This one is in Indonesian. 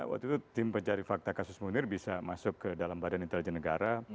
jadi tim pencari fakta kasus munir bisa masuk ke dalam badan intelijen negara